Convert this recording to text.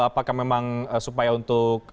apakah memang supaya untuk